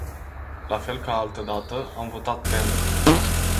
La fel ca altădată, am votat pentru.